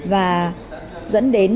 và dẫn đến